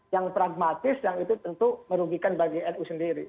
yang pragmatis yang itu tentu merugikan bagi nu sendiri